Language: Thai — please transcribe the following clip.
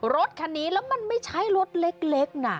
รถคันนี้มันไม่ใช่รถเล็ก